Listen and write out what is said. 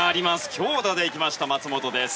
強打でいった松本です。